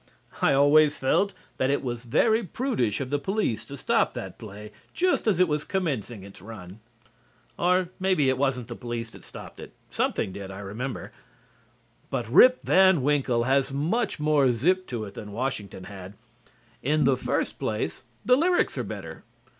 I always felt that it was very prudish of the police to stop that play just as it was commencing its run. Or maybe it wasn't the police that stopped it. Something did, I remember. But "Rip Van Winkle" has much more zip to it than "Washington" had. In the first place, the lyrics are better.